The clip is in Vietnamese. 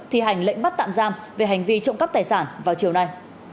thi hành lệnh bắt tạm giam về hành vi trộm cắp tài sản vào chiều nay